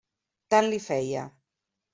Tant li feia.